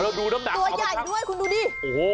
ตัวใหญ่ด้วยคุณดูดิ